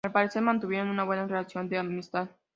Al parecer mantuvieron una buena relación de amistad.